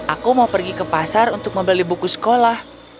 aku mau pergi ke pasar untuk membeli buku sekolah